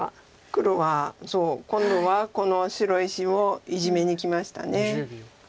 黒は今度はこの白石をイジメにきました。